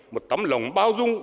một tấm lòng bao dung